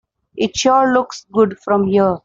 It sure looks good from here.